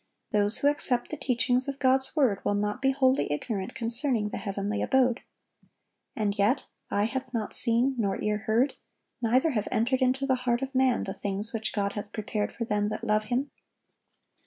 Those who accept the teachings of God's word will not be wholly ignorant concerning the heavenly abode. And yet, "eye hath not seen, nor ear heard, neither have entered into the heart of man, the things which God hath prepared for them that love Him."